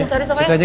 ah di situ aja